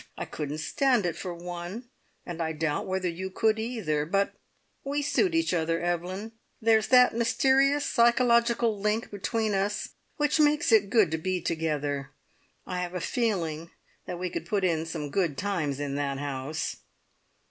I couldn't stand it for one, and I doubt whether you could either, but we suit each other, Evelyn; there's that mysterious psychological link between us which makes it good to be together. I have a feeling that we could put in some good times in that house!